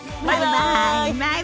バイバイ！